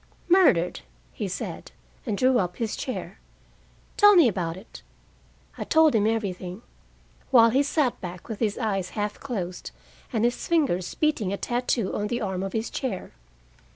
"Murdered," he said, and drew up his chair. "Tell me about it." I told him everything, while he sat back with his eyes half closed, and his fingers beating a tattoo on the arm of his chair.